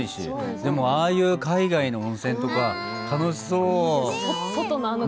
でもああいう海外の温泉とか楽しそう。